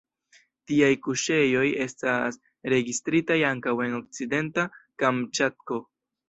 Tiaj kuŝejoj estas registritaj ankaŭ en Okcidenta Kamĉatko.